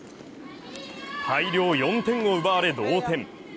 大量４点を奪われ、同点。